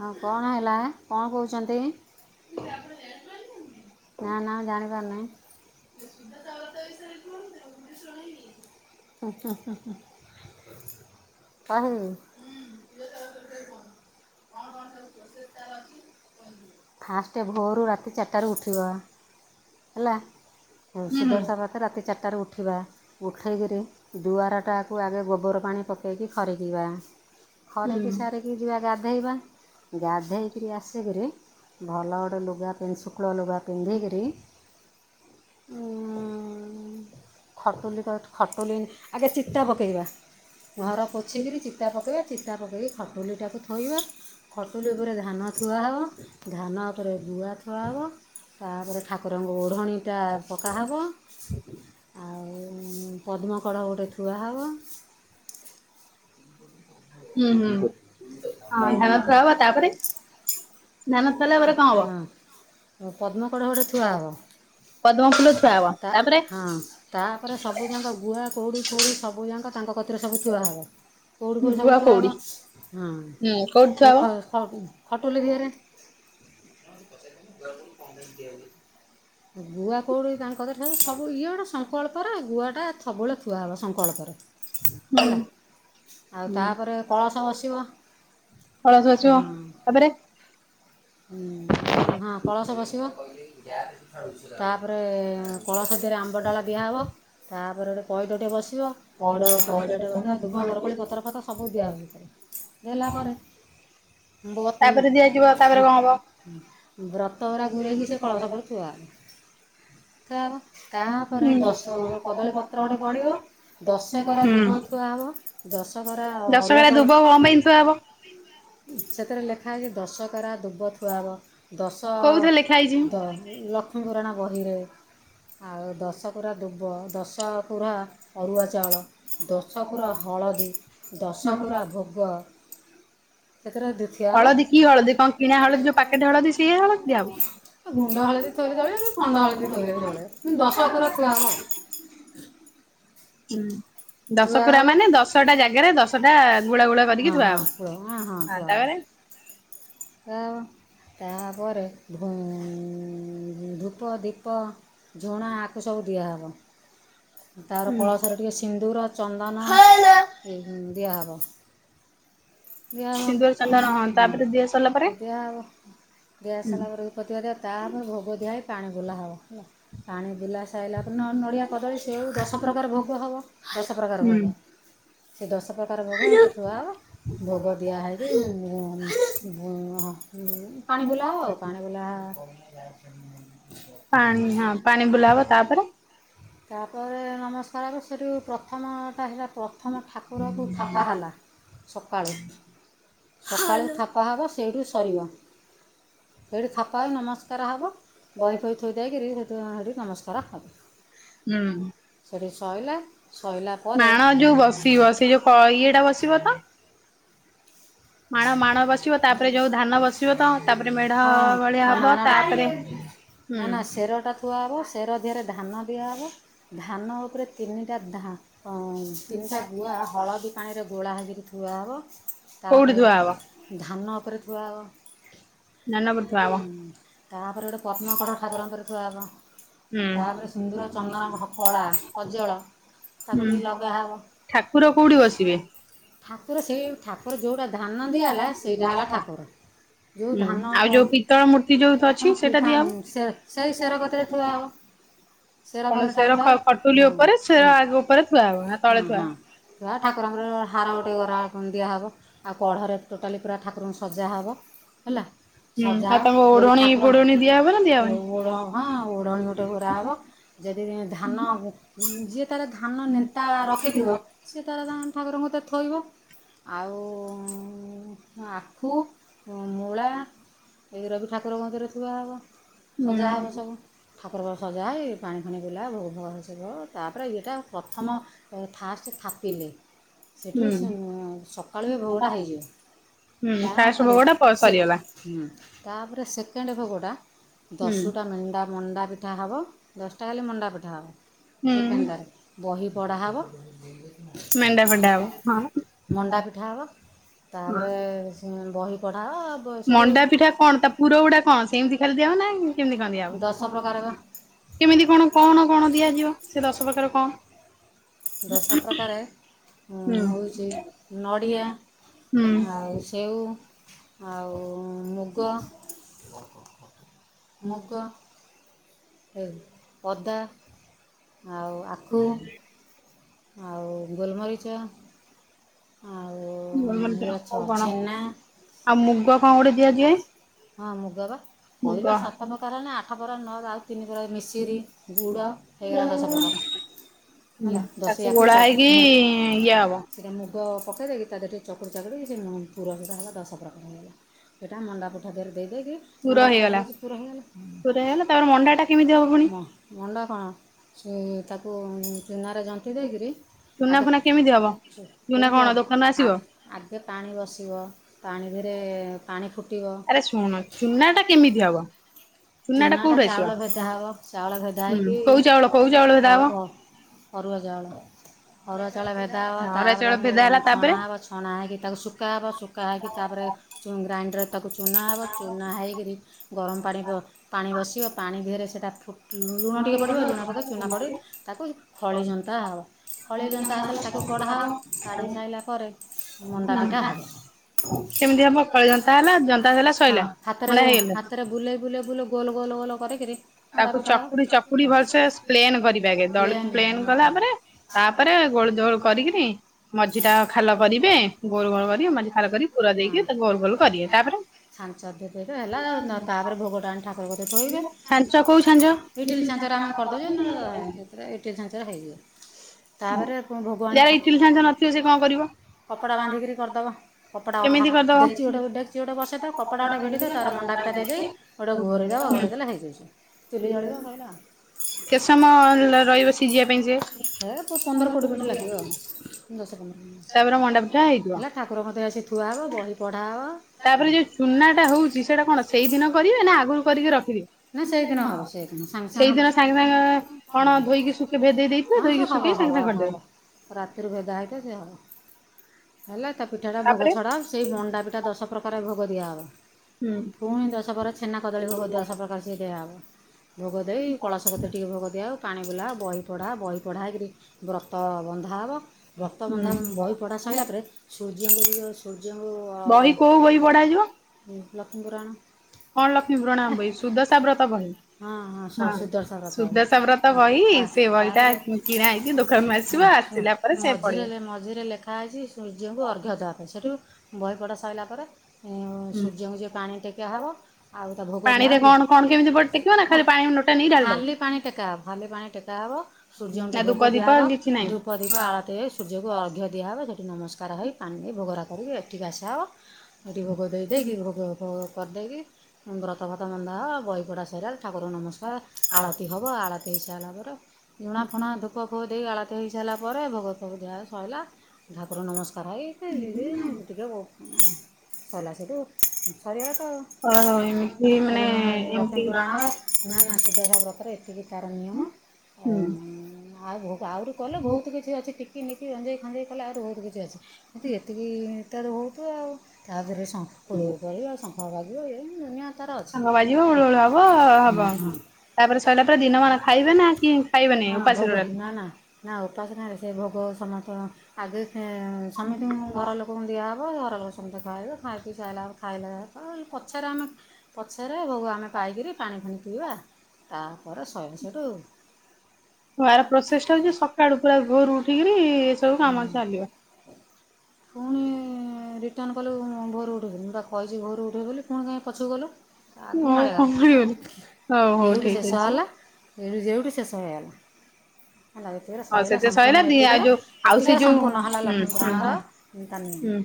ହଁ କଣ ହେଲା ହେ କଣ କହୁଛନ୍ତି? ନା ନା ମୁଁ ଜାଣିପାରୁ ନାହିଁ। [unintelligible] [unintelligible] ଫାଷ୍ଟ ଭୋରୁୁ ରାତି ଚାରିଟାରୁ ଉଠିବ ହେଲା। ହୁଁ ହୁଁ ସୁଦଶା ବ୍ରତ ରାତି ଚାରିଟାରୁ ଉଠିବା। ଉଠେଇକରି ଦୁଆରଟାକୁ ଆଗେ ଗୋବର ପାଣି ପକେଇକି ଖରିକିବା। ଖରେକି ହୁଁ ସାରିକି ଯିବା ଗାଧେଇବା ଗାଧେଇକିରି ଆସିଲେ। ଭଲ ଗୋଟେ ଲୁଗା ଶୁକ୍ଳ ଲୁଗା ପିନ୍ଧିକିରି। ହଁ। ଖଟୁଲି ଖଟୁଲି ଆଗେ ଚିତା ପକେଇବା ଘର ପୋ ପୋଛିକିରି ଚିତା ପକେଇବା ଚିତା ପକେଇକି ଖଟୁଲିଟାକୁ ଥୋଇବା। ଖଟୁଲି ଉପରେ ଧାନ ଥୁଆ ହବ, ଧାନ ଉପରେ ଗୁଆ ଥୁଆହବ। ତାପରେ ଠାକୁରଙ୍କୁ ଓଢ଼ଣୀଟା ପକାହବ, ଆଉ ଉଁ ପଦ୍ମକଡ଼ ଗୋଟେ ଥୁଆ ହବ। ହୁଁ ହୁଁ ହଁ ଧାନ ଥୁଆ ହବ ତାପରେ ଧାନ ଥୁଆହେଲା ପରେ କଣ ହବ ସଫା ପଦ୍ମକଡ଼ ଗୋଟେ ଥୁଆ ହବ। ପଦ୍ମ ଫୁଲ ଥୁଆ ହବ ତା ତାପରେ ହଁ ତାପରେ ସବୁ ଯାଙ୍କ ଗୁଆ କଉଡ଼ି ଫୌଡ଼ି ସବୁ ଯାଙ୍କ ତାଙ୍କ କତିରେ ସବୁ ଥୁଆ ହବ। କୋଉଡିି ଫଉଡ଼ି ସବୁ ଗୁଆ ଥୁଆ କଉଡି ହବ, ହୁଁ କଉଡି ହଁ ଥୁଆ ସେ ହବ ଖଟୁଲି ଧିଅରେ। ଗୁଆ କଉଡ଼ି ତାଙ୍କ କତିରେ ସବୁ ଇଏ ଗୋଟେ ସଂକଳ୍ପରେ ଗୁଆଟା ସବୁବେଳେ ଥୁଆ ହବ ସଂକଳ୍ପରେ। ହୁଁ। ହେଲା ଆଉ ହୁଁ ତାପରେ କଳସ ବସିବ। କଳସ ବସିବ ହଁ ତାପରେ। ନା ନା ହଁ କଳସ ବସିବ ତାପରେ କଳସଦେହରେ ଆମ୍ବ ଡାଳ ଦିଆହବ ତାପରେ ଗୋଟେ ପଇଡ଼ ଟେ ବସିବ। ପଇଡ଼ ପଇଡ ଟେ ବସିବା ଦୁବ ବରକୋଳି ପତର ଫତର ସବୁ ଦିଆ [unintelligible] ଦେଲା ପରେ। ତାପରେ ଦିଆଯିବ, ତାପରେ କଁ ହବ? ବ୍ରତ ଉରା ଗୁରେଇକି ସେ କଳସ ଉପରେ ଥୁଆ ହବ। ଥୁଆ ହବ ତାପରେ ହୁଁ। ଦଶ କଦଳୀପତ୍ର ଗୋଟେ ପଡ଼ିବ ଦଶକେରା ଦୁବ ଥୁଆ ହବ। ଦଶ ଗରା ଅରୁଆ ଦଶଗରା ଚାଉଳ ଦୁବ କଣ ପାଇଁ ଥୁଆ ହବ ସେଥିରେ ଲେଖା ହେଇଛି ଦଶକେରା ଦୁବ ଥୁଆବ। ଦଶ କୋଉଥିରେ ଲେଖା ହେଇଛି ଦ ଲ କ୍ଷ୍ମୀ ପୁରାଣ ବହିରେ, ଆଉ ଦଶ କୁରା ଦୁବ ଦଶ ଦଶ କୁରା ଅରୁଆ ଚାଉଳ ଦଶ କୁର ହଳଦୀ ଦଶ କୁରା ଭ ବ ସେତର ଦିତିଆହବ। ହଳଦୀ କି ହଳଦୀ କଣ କିଣା ହଳଦୀ ଯୋଉ ପାକେଟ ହଳଦୀ ସେଇଆ ହଳଦୀ ଦିଆହବ। ଗୁଣ୍ଡ ହଳଦୀ ଥୋଇଲେ ଚଳିବ, ଖଣ୍ଡ ହଳଦୀ ଥୋଇଲେ ବି ଚଳିବ। କିନ୍ ଦଶ ଖୁର ଥୁଆ ହବ। ହୁଁ। ଦଶ ଥୁଆ କୂରା ହବ ମାନେ ଦଶଟା ଜାଗାରେ ଦଶଟା ଗୁଳା ଗୁଳା ହଁ କରିକି ଥୁଆ ହଁ ହବ, କୁହ ହଁ ତାପରେ। ଥୁଆ ହବ, ତାପରେ [unintelligible] ଧୂପ ଦୀପ ଝୁଣା ଆକୁ ସବୁ ଦିଆ ହବ। ତାପରେ ହୁଁ କଳସରେ ଟିକେ ସିନ୍ଦୁର ଚନ୍ଦନ ଦିଆ ହବ। ଦିଆ ସିନ୍ଦୁର ହବ, ଚନ୍ଦନ ହଁ ତାପରେ ଦିଆ ସରିଲା ପରେ ଦିଆ ହବ ଦିଆ ହୁଁ ସଇଲାପରେ ତାପରେ ଭୋଗ ଦିଆ ହେଇ ପାଣି ବୁଲା ହବ, ହେଲା ପାଣି ବୁଲା ସ ସାଇଲା ପ ନ ନଡ଼ିଆ କଦଳୀ ସେଉ ଦଶ ପ୍ରକାର ଭୋଗ ହବ ଦଶ ପ୍ରକାର ହୁଁ ଭୋଗ। ସେ ଦଶ ପ୍ରକାର ଭୋଗ ଏଠି ଥୁଆ ହବ। ଭୋଗ ଦିଆହେଇକି ପାଣି ବୁଲା ହବ ଆଉ ପାଣି ବୁଲା [unintelligible] ପାଣି ହଁ ପାଣି ବୁଲାହବ, ତାପରେ ତାପରେ ନମସ୍କାର ରୁ ପ୍ରଥମଟା ହେଲା ପ୍ରଥମ ଠାକୁରକୁ ଥାପା ହେଲା। ସକାଳୁ ସକାଳୁ ଥାପା ହବ, ସେଇଠୁ ସରିବ। ସେଇଠି ଥାପା ହେଇ ନମସ୍କାର ହବ। ବହି ଫହି ଥୋଇ ଦେଇକିରି ହେ ନମସ୍କାର ହୁଁ ସେଠି ଶୋଇଲା ଶୋଇଲା ପରେ ମାଣ ଯୋଉ ବସିବ ସେ ଯୋଉ ଇଏଟା ବସିବ ତ ମାଣ ମାଣ ବସିବ ତାପରେ ଯୋଉ ଧାନ ବସିବ ତ ତାପରେ ମେଢ ହଁ ଭଳିିଆ ଆଉ ହବ ମାଣଟା ତାପରେ ହୁଁ ୁଆହବ ସେର ଦେହରେ ଧାନ ଦିଆହେବ ଧାନ ଉପରେ ତିନିଟା ତିନିଟା ଗୁଆ ହଳଦୀ ପାଣିରେ ଗୋଳା ହେକରି ୁଆହବ କୋଉଠି ଥୁଆ ହବ ତାପରେ ଧାନ ଉପରେ କୁଆଅ ନାନ ଭୁତ ହୁଁ ତାପରେ ଗୋଟେ ପଦ୍ମପଡ଼ ଠାକୁରଙ୍କର ଛୁଆ ଆବ ହୁଁ ତାପରେ ସିନ୍ଦୁର ଚନ୍ଦନ କଳା କଜଳ ତାକୁ ହୁଁ ଟିକେ ଲଗାହବ ଠାକୁର କୋଉଠି ବସିବେ ଠାକୁର ସେଇ ଠାକୁର ଯୋଉଟା ଧାନ ଦିଆ ହେଲା ସେଇଟା ହେଲା ଠାକୁର ଯେଉଁ ହୁଁ ଧାନ ଆଉ ଯୋଉ ପିତ୍ତଳ ମୂର୍ତ୍ତି ଯୋଉ ଅଛି ସେଇଟା ସେ ସେଇ ସେର କତିରେ ଥୁଆ ଦିଆବ ହବ କଣ ପାଖରେ ସେର ଠାକୁର କଟୁଲି ଥୁଆ ଉପରେ ସେର ଆଗ ଉପରେ ଛୁଆ ହବ ନା ତଳେ ଛୁଆବ ଠାକୁର ଆମର ହାରା ଗୋଟେ କର ଠାକୁରଙ୍କୁ ଦିଆହବ ଆଉ କଢ଼ରେ ଟୋଟାଲି ପୁରା ଠାକୁରଙ୍କୁ ସଜା ହେବ ହେଲା ହୁଁ ଆଉ ସଜାଅ ତାଙ୍କୁ ଯଦି ଓଢଣୀ ଠାକୁର ବୋଢଣୀ ଦିଆହବ ନା ଦିଆହବନି? ହଁ ଓଢଣିୀ ଗୋଟେ ଘରାା ହବ ଯଦି ଧାନ ଯିଏ ତାାର ଧାନ ନେନ୍ତା ରଖିଥିବ ସୀତାରାଧାରଣ ଠାକୁର ମୋତେ ଥୋଇବ ଆଉ ଆଖୁ ମୂଳା ଏଇ ରବି ଠାକୁରଙ୍କ ମନ୍ଦିରେ ଥିବା ହେବ ସଜା ହେବ ସବୁ ଠାକୁର ପା ସଜା ହେଇ ପାଣି ଖଣି ବୁଲାଲା ଭୋଗ ଭୋଗ ହେସିବ ତାପରେ ଇଏଟା ପ୍ରଥମ ଥାର୍ ସେ ପିଲେ ହୁଁ ସେଠ କଳିବ ଭଗଡ଼ା ହେଇଯିବ ହୁଁ ଫାଷ୍ଟ ତାପରେ ଭୋଗଟା ପ ସେ ସରିଗଲା ହୁଁ ତାପରେ ସେକେଣ୍ଡ ଭୋଗଟା ହୁଁ ଦଶଟା ମେଣ୍ଡା ମଣ୍ଡା ଭ ପିଠା ହେବ ଦଶଟା ହେଲେ ମଣ୍ଡା ପିଠା ହେବ ହୁଁ। ସେକେଣ୍ଡଟାରେ ବହି ପଡ଼ା ହେବ ମେଣ୍ଣ୍ଡା ଫେଣ୍ଡା ଆବ ମଣ୍ଡା ହଁ ପିଠା ହେବ ତାପରେ ବହି ପଢାଅ ମଣ୍ଡା ପିଠା କଣ ତା ପୁର ଗୁଡା କଣ ସେମିତି ଖାଲି ଦିଆବ ନା କେମିତି କଣ ଦଶ ପ୍ରକାର ବା ଦିଆବ କେମିତି କଣ କଣ କଣ ଦିଆଯିବ ସେ ଦଶ ପାଖରେ କଣ ରଶ ପ୍ରକାରେ ହୁଁ ହଉଛି ନଡ଼ିଆ ହୁଁ ଆଉ ସେଉ ଆଉ ମୁଗ ମୁଗ ଅଦା ଆଉ ଆ ହୁଁ ଆଉ ଗୋଲମରିଚ ଆଉ ଛ କଣ ଛେନା ଆଉ ମୁଗ କଣ ଗୋଟେ ଦିଆଯାଏ ହଁ ମୁଗବା କହିବା ସାତ ମୁଗ ପ୍ରକାର ହେ ନା ଆଠ ପର ନ ଆଉ ତିନିପରା ମିସିିରି ଗୁଡ଼ ହେଇଗ ତ ସପଦ ହୁଁ ତାକୁ ଗୋଳା ହେଇକି ଇଏ ହବ ସେଇଟା ମୁଗ ପକାଇ ଦେଇକି ତା ଦେରେ ଟିକି ଚକୁଡ଼ି ଚକୁଡ଼ି ସେ ପୁର ସେଟା ହେଲା ଦଶ ପ୍ରାକାରଇଗଲା ସେଇଟା ମଣ୍ଡା ପୁଠା ଦେରେ ଦେଇକି ପୁର ମଣ୍ଡାପଠା କୋହିତି ପୂୁର ହେ ହୋଇଗଲା ଅଣ୍ଡା କେମିତିବ ପୁଣି ମଣ୍ଡ କଣ ସେ ୁ ଚୁନାରେ ଜଟି ଦେଇକରି ଆଗ ତୁ ନା କଣ ଦୋକାନରେ ଆସିବ ଆଗେ ପାଣି ବସିବ ପାଣି ଧିରେ ପାଣି ଫୁ ଆରେ ଶୁଣ ଚୁନାଟା କେମିତି ହବ? ଚୁନା ଟା ଚୁନାଟା କୋଉଠୁ ଆସିବ ଚାଉଳ ଭେଦା ହବ ଚାଉଳ ଭେଦା ହେଇକି ହୁଁ କୋଉ ଚାଉଳ କୋଉ ଚାଉଳ ଭେଦା ଆଉ ହବ? ଆ ଅରୁଆ ଚାଉଳ ଅରୁଆ ଚାଉଳ ଭେଦା ହେବ ଅରୁଆ ତାପରେ ଚାଉଳ ତାକୁ ଭେଦା ହେଲା ଛଣା ତାପରେ ହବ ଛ୍ ଛଣା ହେଇକି ତାକୁ ଶୁକା ହେବ ଶୁକା ହେଇକି ତାପରେ ଗ୍ରାଇଣ୍ଡର୍ ତାକୁ ଚୁନା ହେବ ଚୁନା ହେଇକରି ଗରମ ପାଣି ବ ପାଣି ବସିବ ପାଣି ଦିହରେ ସେଟା ଫୁ ଲୁଣ ଟିକେ ପଡ଼ିବ ଲୁଣ ପକେଇ ଚୁନା ପଡ଼େ ତାକୁ ଖଳି ଜନ୍ତା ହେବ ଖଳି ଜନ୍ତା ହେଇ ସାଇଲେ ତାକୁ କଢ଼ା ହବ କାଢ଼ି ସାଇଲା ପରେ ମଣ୍ଡା ପିଠା ହେବ କେମିତି ହବ ଗଳି ଜନ୍ତା ହେଲା ଜନ୍ ହଁ ହାତରେ ଓ ହାତରେ ବୁଲେଇ ବୁଲେଇ ବୁଲ ଗୋଲ ଗୋଲ ଗୋଲ କରିକିରି ମଣ୍ଡା ତାକୁ ପିଠା ଚକୁଡି଼ ହେବ ଚକୁଡି଼ ଭଲସେ ପ୍ଲେନ୍ କରିବେ ଆଗେ ଦଳି ପ୍ଲେନ୍ ପ୍ଲେନ ହଁ କଲା ପରେ ତାପରେ ଗୋଳ ଜୋଳ କରିକିନି ମଝିଟା ଖାଲ କରିବେ ଗୋର ଗୋଲ କରି ମଝି ଖାଲ କରି ପୁର ଦେଇକି ତ ଗୋଲ ଗୋଲ କରିବେ। ତାପରେ? ଛାଞ୍ଚଠି ଥୋଇଦେ ହେଲା ଆଉ ନ ତାପରେ ଭୋଗଟା ଆଣି ଠା ଅଗଦେ କଇବେ ଛାଞ୍ଚ କୋଉ ଛାଞ୍ଚ ଇଟିଲି ଛାଞ୍ଚରେ ଆମେ କରିଦଉଚୁ ନ ଏରା ଇଟିଲି ଛାଞ୍ଚରେ ହେଇଯିବ। ହୁଁ ତାପରେ ଭୋଗ ଆଣି ଯାହାର ଠା ଇଟିଲ ଛାଞ୍ଚ ନଥିବ ସେ କଣ କରିବ? କପଡ଼ା ବାନ୍ଧିକିରି କରିଦବ। କପଡ଼ା ଅଥା କେମିତି କରିଦବ ଡେକେଚି ଓଟେ ଡେକଚି ଓଟେ ବସେଇେ ଦେ କପଡ଼ା ଓଟ ଭିଡ଼ି ଦେ ତାର ମଣ୍ଡାିଟା ଦେଇ ଦି ଗୋଟେ ଘୋରେଇ ଦବ ଘୋରେଇ ଦେଲେ ହେଇଯାଇଚି ଚୁଲି ଜଳିବ ସଇଲା। କେ ସମୟ ପ ରହିବ ସିଝିବା ପାଇଁ ସେ? ହୁଅ ଦଶ ପନ୍ଦର ମି ତାପରେ ମଣ୍ଡା ପିଠା ହେଇଯିବ। ଠାକୁର କତିରେ ଆସି ଥୁଆ ହବ ବହି ପଢ଼ା ହବ। ତାପରେ ଯୋଉ ଚୁନାଟା ହେଉଚ ସେଇଟା କଣ ସେଇଦିନ କରିବେ ନା କରିକି ରଖିବେ ନା ସେଇଦିନ ହେବ ସାଙ୍ଗେ ହେବ ସେଇଦିନ ସାଙ୍ଗେ ସାଙ୍ଗେ କଣ ଧୋଇକି ଶୁ ଭେଦେଇ ଦେଇଥିବେ ହଁ ସେ ଧେଇକି ହବ ଶୁଖେଇକି ହବ ସାଙ୍ଗେ ସାଙ୍ଗେ ହବ କରିଦବେ। ରାତିରୁ ଭେଦା ହେଇଥିବ ସେ ହଵ ହେଲେ ତା ପିଠାଟା ଭୋଗ ତାପରେ ଛଡ଼ାହବ। ସେଇ ମଣ୍ଡାପିଠା ଦଶ ପ୍ରକାରେ ଭୋଗ ଦିଆହବ। ପୁଣି ଦଶ ପ୍ରକାର ଛେନା ହୁଁ। କଦଳୀ ଭୋଗଦିଆ ସଫା କରିଚି ଦିଆହବ। ଭୋଗ ଦେଇ କଳସ କତିରେ ଟିକେ ଭୋଗ ଦିଆ ହବ ପାଣି ବୁଲା ହଵ ବହି ପଢ଼ା ବହି ପଢ଼ା ହେଇକିରି ବ୍ରତ ବନ୍ଧା ହବ। ଵ୍ରତ ବନ୍ଧା ହୁଁ ବହି ପଢ଼ା ସରିଲା ପରେ ସୂର୍ଯ୍ୟଙ୍କୁ ସୂର୍ଯ୍ୟଙ୍କୁ ଅ ବହି କୋଉ ବହି ପଢାଯିବ? ହୁଁ ଲକ୍ଷ୍ମୀପୁରାଣ। କଣ ଲକ୍ଷ୍ମୀ ପୁରାଣ ବହି ସୁଦଶା ବ୍ରତ ବହି। ହଁ ହଁ ସୁଦର୍ଶା ବ୍ରତ ସୁଦସା ବ୍ରତ ବହି ତା ସେଇ ବହିଟା ତାପରେ କିଣା ହେଇକି ଦୋକାନରୁ ମ ଆସିବ ଶୁଣ ଆସିଲା ପରେ ସେ ମଝିରେ ପଢିବ। ଲେ ମଝିରେ ଲେଖେ୍ ଲେଖା ହେଇଛି ସୂର୍ଯ୍ୟଙ୍କୁ ଅର୍ଘ୍ୟ ଦେବା ପାଇଁ ସେଇଠୁ ବହିପଢ଼ା ସାରିଲା ପରେ ହୁଁ ସୂର୍ଯ୍ୟଙ୍କୁ ଯେ ପାଣି ଟେକିଆ ହେବ। ଆଉ ତା ଭୋଗ ଦିଆ ପାଣିରେ କଣ କଣ କେମିତି ଟେକିବ ନା ଖାଲି ପାଣି ନୋଟା ନେଇ ହେଇଚିକି ଢାଳି ଦବ ଖାଲି ପାଣି ଟେକା ହବ ଖାଲି ପାଣି ଟେକା ହବ। ସୂର୍ଯ୍ୟଠି ନା ଭୋଗ ଧୂପ ଦୀପ ଦିଆ ହବ କିଛି ନାହିଁ। ଧୂପ ଦୀପ ଆଳତି ହେଇ ସୂର୍ଯ୍ୟକୁ ଅର୍ଘ୍ୟ ଦିଆହବ ସେଇଠି ନମସ୍କାର ହେଇ ପାଣି ଦେଇ ଭୋଗରାଗ କରିକି ଏଠିକି ଆସାହବ। ଏଠି ଭୋଗ ଦେଇଦେକି ଭୋଗ ଭୋଗ କରିଦେଇକି ବ୍ରତଫ୍ରତ ବନ୍ଧା ହବ ବହିପଢା ସରିଲା ପରେ ଠାକୁରଙ୍କୁ ନମସ୍କାର ଆଳତି ହେବ ଆଳତୀ ପାଇସାରିବା ପରେ ଝୁଣା ଫୁଣା ଧୂପ ଫୁପ ଦେଇ ଆଳତି ତ ହେଇସାରିଲା ପରେ ଭଗବତ ସଇଲା ଠାକୁର ନମସ୍କାର ହେଇ ଟିକେ କହୁ ସରିଲା ସେଠୁ ସରିଗଲା ତ? [inaudible] ରହିମି। ସେ ଲକ୍ଷ୍ମୀପୁରାଣର ନା ନା ସୂଦସାବ୍ରତରେ ଏତିକି ତାର ନିୟମ। ଆଉ ଆହୁରି କଲେ ବହୁତ କିଛି ଅଛି। କିମିତି ରଞ୍ଜେଇ ଖଞ୍ଜେଇ କଲା ରୋଡରେ ଆସି। କିନ୍ତୁ ଏତିକି ତାର ହଉତ ଆଉ ତା ପରେ ଶ ହୁଳହୁଳି ପଡିବ ଶଙ୍ଖ ବାଜିବ ଏ ଦୁନିଆ ତାର ଅଛିଁ ସାଙ୍ଗ ବାଜିବ ହୁଳହୁଳ ହବ ହବ। ହଁ। ତାପରେ ସରିଲା ପରେ ଦିନମାନ ଖାଇବେ ନା କି ଖାଇବେନି ହଁ ଭୋଗ ଉପାସରେ ନା ରହିବେ? ନା ନା ଉପାସନାରେ ସେ ଭୋଗ ସମସ୍ତ ଆଗେ ସମସ୍ତଙ୍କୁ ଘର ଲୋକ କଣ ଦିଆହବ ଘର ଲୋକ ସମସ୍ତେ ଖାଇବେ ଖାଇ ପିଇ ଖାଇଲାବେଳେ ଖାଇଲା ପଛରେ ଆମେ ପଛରେ ଭୋଗ ଆମେ ପାଇକରି ପାଣି ଫୁଣି ପିଇବା ତାପରେ ସଇଲା ସେଠୁ ଏହାର ପ୍ରୋସେସଟା ହଉଛି ସକାଳୁ ପୁରା ଭୋରୁ ଉଠିକିରି ଏ ସବୁ କାମ ଚାଲିବ? ପୁଣି ହୁଁ। ରିଟର୍ଣ୍ଣ କଲୁ ଭୋରୁ ଘରୁ ଉଠେଇ ବୋଲିି ବା କହିଛି ଘୋରୁ ଉଠେଇ ବୋଲି ପୁଣି କାଇହିଁ ପଛକୁ କଲୁ? ଆଗକୁ ଆଉ ମାଡ଼ିବ କଣ କରିବନି ହଉ କଥା ହଉ ଏଉଠୁ ଠିକ ଶେଷ ଅଛି। ହେଲା। ଏ ଯେଉଠୁ ଶେଷ ହେଇଗଲା ହେଲା। ଏତିକିରେ ହଉ ଶଇଲା ସେତ ସଇଲା ସମ୍ପୂର୍ଣ୍ଣ ଦି ଆଉ ଏତିକରେ ଯୋଉ ଆଉ ସେ ଏତିକରେ ଯୋଉ ସମ୍ପୂର୍ଣ୍ଣ ହେଲା ହୁଁ ଲକ୍ଷ୍ମୀ ହୁଁ ପୁରାଣର ତା ନିୟମ। ହୁଁ।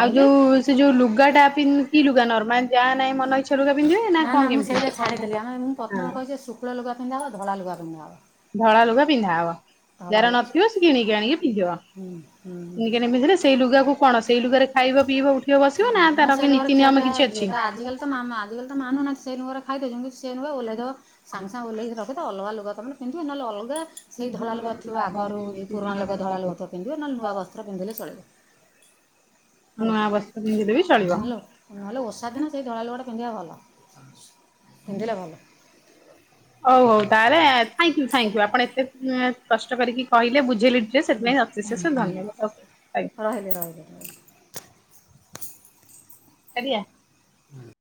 ଆଉ ଯୋଉ ସେ ଯୋଉ ଲୁଗାଟା ପିନ୍ କି ଲୁଗା ନର୍ମାଲ ଯାହା ନାହିଁ ମନ ଇଚ୍ଛା ଲୁଗା ପିନ୍ଧିବେ ନା କଣ ନା ମୁଁ କେମିତି? ସେଇଟା ଛାଡ଼ିଦେଲେ ଆମେ ମୁଁ ପ୍ରଥମ କହିଛେ ଶୁକ୍ଳ ଲୁଗା ପିନ୍ଧା ହବ ଧଳା ଲୁଗା ପିନ୍ଧା ହବ। ଧଳା ଲୁଗା ପିନ୍ଧା ହବ ଯାର ନଥିବ ସେ କିଣିକି ଆଣିକି ହୁଁ, ହୁଁ, ପିନ୍ଧିବ। ସେଇ ଲୁଗାକୁ କଣ ସେଇ ଲୁଗାରେ ଖାଇବ ପିଇବା ଉଠିବ ବସିବ ହୁଁ। ନା ତାର ସେ କି ଲୁଗାରେ ନୀତି ନିୟମ ଖିଆପିଆ କିଛି ଯିଏ ଅଛି? ତ ଆଜିକାଲି ତ ମା- ଆଜିକାଲି ତ ମାନୁନାହାନ୍ତି ସେ ନୁଗାରେ ଖାଇଦଉଛନ୍ତି ସେ ନୁଗା ଓହ୍ଲେଇ ଦବ ସାଙ୍ଗସାଙ୍ଗେ ଓହ୍ଲେଇକି ରଖିଦବ ଅଲଗା ଲୁଗା ତମେ କିନ୍ତୁ ନହେଲେ ଅଲଗା ସେ ଧଳାଲୁଗା ଥିବ ଆଗରୁ ପୁରୁଣା ଲୋକ ଧଳାଲୁଗା ଥିବ ପିନ୍ଧିବ ନହେଲେ ନୂଆ ବସ୍ତ୍ର ପିନ୍ଧିଲେ ଚଳିବ। ନୂଆ ବସ୍ତ୍ର ପିନ୍ଧିଲେ ବି ଚଳିବ। ହେଲା ହାଲୋ ଓଷା ଦିନ ସେଇ ଧଳା ଲୁଗାଟା ପିନ୍ଧିବା ଭଲ। ପିନ୍ଧିଲେ ଭଲ। ହଉ ହଉ ତାଲେ ଥ୍ୟାଙ୍କୟୁ ଥ୍ୟାଙ୍କୟୁ ଆପଣ ଏତେ କଷ୍ଟ କରିକି କହିଲେ ବୁଝେଇଲେ ଆଉ ସେଥିପାଇଁ ବିଶେଷ ଧନ୍ୟବାଦ। ଥ୍ୟାଙ୍କୟୁ ରହିଲି [inaudible] ଆଜ୍ଞା। ହୁଁ